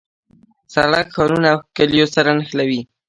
سړک ښارونه او کلیو سره نښلوي.